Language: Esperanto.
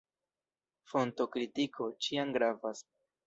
Fontokritiko ĉiam gravas.